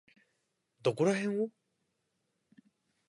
どこらへんを？